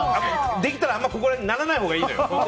できたら、あんまりここら辺にならないほうがいいのよ。